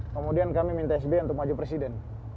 kemudian kami minta sby untuk maju presiden